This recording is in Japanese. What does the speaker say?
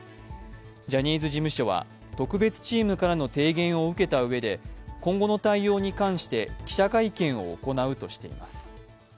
ジャニーズ事務所は特別チームからの提言を受けたうえで、今後の対応に関して記者会見を行うとしています。